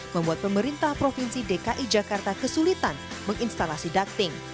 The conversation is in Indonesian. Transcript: membuat pemerintah provinsi dki jakarta kesulitan menginstalasi ducting